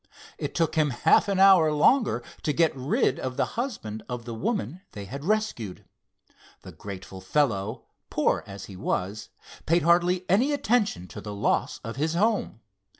It took him half an hour longer to get rid of the husband of the woman they had rescued. The grateful fellow, poor as he was, paid hardly any attention to the loss of his home.